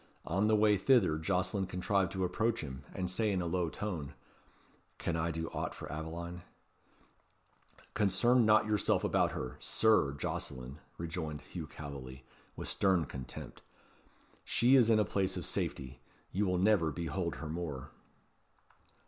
On the way thither Jocelyn contrived to approach him, and to say in a low tone "Can I do aught for Aveline?" "Concern not yourself about her, Sir Jocelyn," rejoined Hugh Calveley, with stern contempt. "She is in a place of safety. You will never behold her more."